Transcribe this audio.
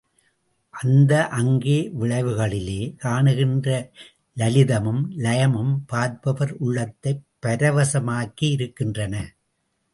அந்த அங்க விளைவுகளிலே காணுகின்ற லலிதமும் லயமும் பார்ப்பவர் உள்ளத்தை பரவசமாக்கியிருக்கின்றன.